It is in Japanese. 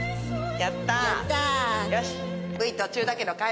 やった。